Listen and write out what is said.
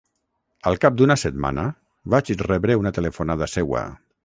Al cap d’una setmana, vaig rebre una telefonada seua.